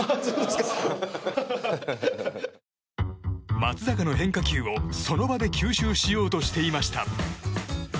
松坂の変化球を、その場で吸収しようとしていました。